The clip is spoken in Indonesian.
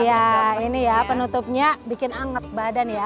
iya ini ya penutupnya bikin anget badan ya